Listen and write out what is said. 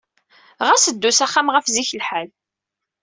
Ɣas ddu s axxam ɣef zik lḥal.